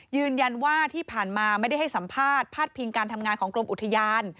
ยืนยันว่าที่ผ่านมาไม่ได้ให้สัมภาษณ์พาดพิงการทำงานของกรมอุทยาน